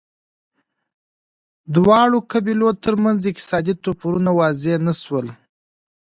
دواړو قبیلو ترمنځ اقتصادي توپیرونه واضح نه شول